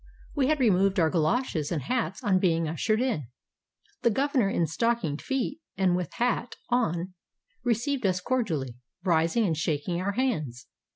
We had removed our goloshes and hats on being ushered in. The governor, in stockinged feet and with hat on, received us cordially, rising and shaking our hands.